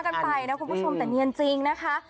กันไปนะคุณผู้ชมแต่เนียนจริงนะคะ